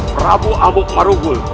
prabu amuk marugul